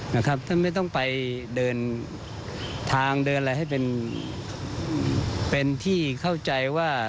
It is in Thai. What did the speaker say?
ท่านไม่ต้องไปเดินทางเดินอะไรให้เป็นที่เข้าใจว่า